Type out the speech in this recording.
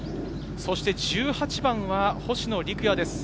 １８番は星野陸也です。